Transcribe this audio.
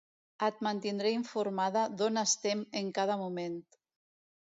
Et mantindré informada d'on estem en cada moment.